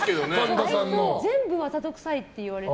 全部わざとくさいって言われて。